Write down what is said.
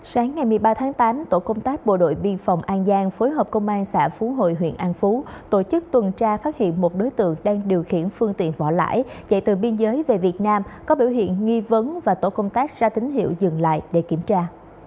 sáng ngày một mươi ba tháng tám tổ công tác bộ đội biên phòng an giang phối hợp công an xã phú hội huyện an phú tổ chức tuần tra phát hiện một đối tượng đang điều khiển phương tiện bỏ lại chạy từ biên giới về việt nam có biểu hiện nghi vấn và tổ công tác ra tín hiệu dừng lại để kiểm tra